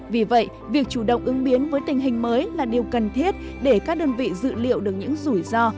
vì vậy việc chủ động ứng biến với tình hình mới là điều cần thiết để các đơn vị dự liệu được những rủi ro